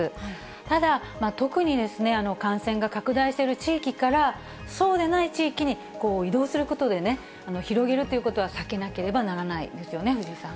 ただ特に、感染が拡大している地域から、そうでない地域に移動することで、広げるということは避けなければならないですよね、藤井さん。